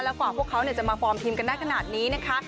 กว่าพวกเขาจะมาฟอร์มทีมกันได้ขนาดนี้นะคะ